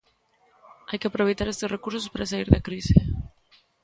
Hai que aproveitar estes recursos para saír da crise.